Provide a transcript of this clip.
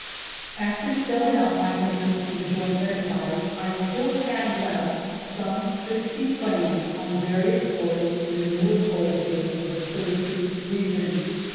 After selling out my interest in the joint enterprise, I still had left some fifty claims on various lodes in the newer gold fields of the Clear creek region.